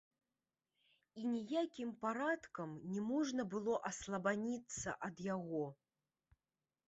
І ніякім парадкам не можна было аслабаніцца ад яго.